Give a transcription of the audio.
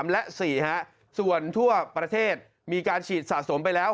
และ๔ส่วนทั่วประเทศมีการฉีดสะสมไปแล้ว